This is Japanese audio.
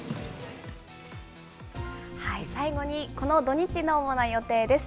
最後に、この土日の主な予定です。